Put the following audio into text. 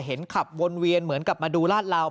ขับวนเวียนเหมือนกลับมาดูลาดลาว